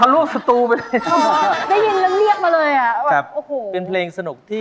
อยากแต่งานกับเธออยากแต่งานกับเธอ